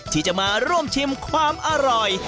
ที่จะมาร่วมชิมความอร่อย